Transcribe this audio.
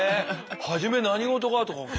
初め何事かとかねえ